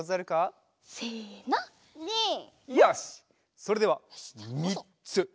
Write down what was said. それではみっつ！